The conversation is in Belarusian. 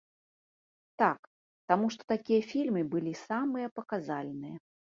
Так, таму што такія фільмы былі самыя паказальныя.